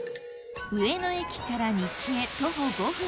上野駅から西へ徒歩５分